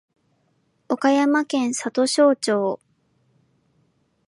岡山県里庄町